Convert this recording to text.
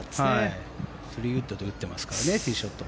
３ウッドで打ってますからねティーショット。